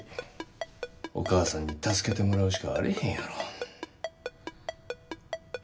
お義母さんに助けてもらうしかあれへんやろ。